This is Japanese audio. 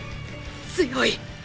強い！！